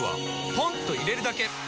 ポンと入れるだけ！